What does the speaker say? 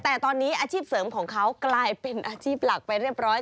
แต่ตอนนี้อาชีพเสริมของเขากลายเป็นอาชีพหลักไปเรียบร้อย